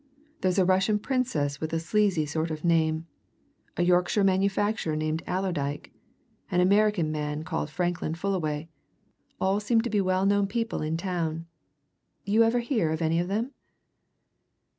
"There's a Russian Princess with a sneezy sort of name; a Yorkshire manufacturer named Allerdyke; an American man called Franklin Fullaway all seem to be well known people in town. You ever hear of any of them?"